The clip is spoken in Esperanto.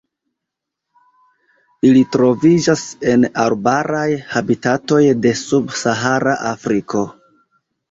Ili troviĝas en arbaraj habitatoj de subsahara Afriko.